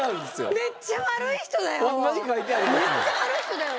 めっちゃ悪い人だよ！